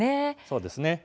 そうですね。